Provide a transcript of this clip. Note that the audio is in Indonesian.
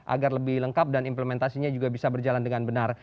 agar lebih lengkap dan implementasinya juga bisa berjalan dengan benar